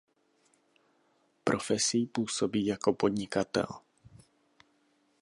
Profesí působí jako podnikatel.